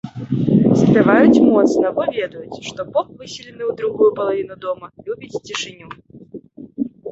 Спяваюць моцна, бо ведаюць, што поп, выселены ў другую палавіну дома, любіць цішыню.